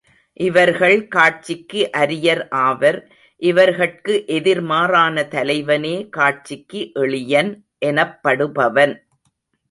இவர்கள் காட்சிக்கு அரியர் ஆவர். இவர்கட்கு எதிர் மாறான தலைவனே காட்சிக்கு எளியன் எனப்படுபவன்.